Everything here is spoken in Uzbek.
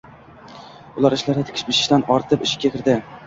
Uy ishlari, tikish-bichishdan ortib ishga kirdi